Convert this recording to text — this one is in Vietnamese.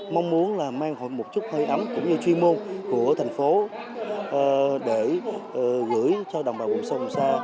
mong muốn là mang hội một chút hơi ấm cũng như chuyên môn của thành phố để gửi cho đồng bào vùng sâu vùng xa